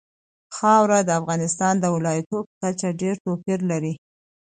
خاوره د افغانستان د ولایاتو په کچه ډېر توپیر لري.